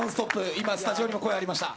今スタジオにも声がありました。